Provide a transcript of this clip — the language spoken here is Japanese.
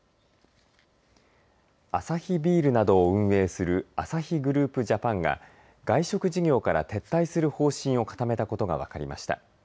アサヒビールなどを運営するアサヒグループジャパンが外食事業から撤退する方針を固めたことが分かりました。